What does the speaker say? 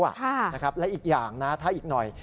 ค่ะนะครับและอีกอย่างนะถ้าอีกหน่อย